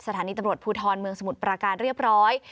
สถานีตำรวจภูทรเมืองสมุทรปราการเรียบร้อย